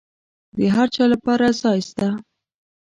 د هرچا لپاره ځای سته.